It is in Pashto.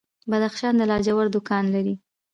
بدخشان د لاجوردو کان لري